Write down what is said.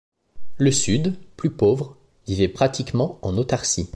Le Sud, plus pauvre, vivait pratiquement en autarcie.